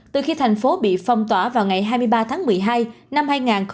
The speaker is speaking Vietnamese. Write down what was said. từ khi thành phố bị phong tỏa vào ngày hai mươi ba tháng một mươi hai năm hai nghìn một mươi tám